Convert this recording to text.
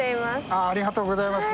ありがとうございます。